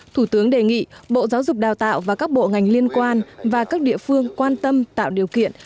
thủ tướng đề nghị bộ giáo dục đào tạo và các bộ ngành liên quan và các địa phương quan tâm tạo điều kiện